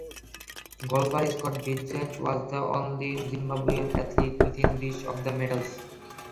Golfer Scott Vincent was the only Zimbabwean athlete within reach of the medals.